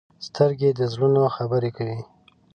سترګې د زړونو خبرې کوي